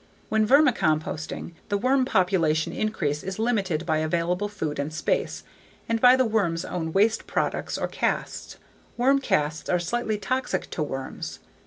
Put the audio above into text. When vermicomposting, the worm population increase is limited by available food and space and by the worms' own waste products or casts. Worm casts are slightly toxic to worms.